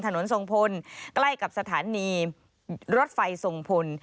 ถนนสงพลใกล้กับสถานีรถไฟสงพล